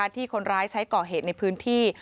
ที่คนร้ายใช้ก่อเหตุในพื้นที่